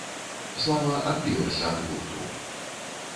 Слава адбілася ад гурту.